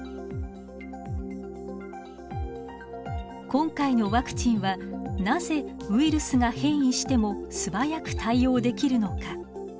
今回のワクチンはなぜウイルスが変異しても素早く対応できるのか。